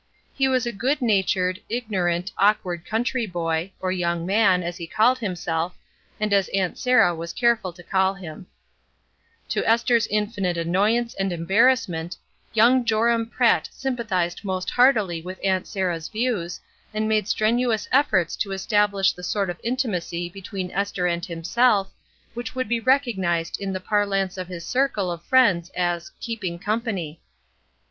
He was a good natm ed, ignorant, awkward country boy, or young man, as he called himself, and as Aunt Sarah was careful to call him. 48 ESTER RIED'S NAMESAKE To Esther's infinite annoyance and embar rassment, young Joram Pratt sympathized most heartily with Aunt Sarah's views, and made strenuous efforts to establish the sort of intimacy between Esther and himself which would be recognized in the parlance of his circle of friends as "keeping company."